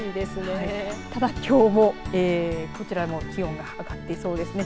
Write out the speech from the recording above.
ただきょうもこちらの気温上がってそうですね。